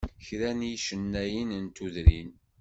Kra n yicennayen n tudrin.